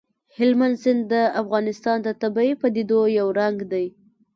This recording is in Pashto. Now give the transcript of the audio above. هلمند سیند د افغانستان د طبیعي پدیدو یو رنګ دی.